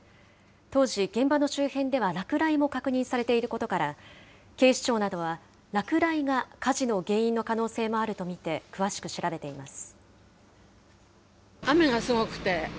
当時、現場の周辺では落雷も確認されていることから、警視庁などは、落雷が火事の原因の可能性もあると見て詳しく調べています。